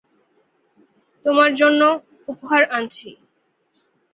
তোমার জন্য উপহার আনছি।